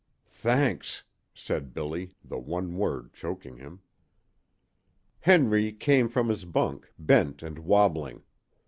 "Thanks," said Billy, the one word choking him. Henry came from his bunk, bent and wabbling.